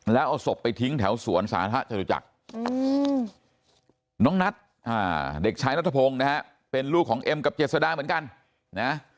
แล้วเอาศพไปทิ้งแถวสวนสาธารณะจรุจักรน้องนัทเด็กชายนัทพงศ์นะฮะเป็นลูกของเอ็มกับเจษดาเหมือนกันนะ